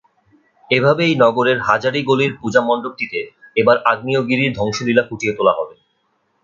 এভাবেই নগরের হাজারী গলির পূজামণ্ডপটিতে এবার আগ্নেয়গিরির ধ্বংসলীলা ফুটিয়ে তোলা হবে।